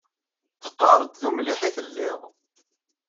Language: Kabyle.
Taqqar-d d umliḥ i telliḍ.